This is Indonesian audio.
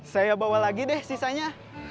saya bawa lagi deh sisanya